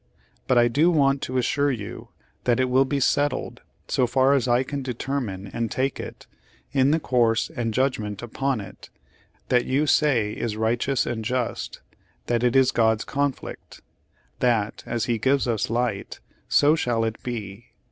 But I do want to assure you that it will be settled, so far as I can determine and take it, in the course and judgment upon it, that you say is righteous and just — that it is God's conflict; that, as he gives us light, so shall it be."